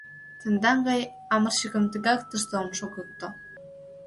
Тендан гай амырчыкым тегак тыште ом шогыкто.